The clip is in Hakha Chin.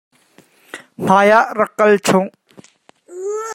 Hmai ah rak kal chung.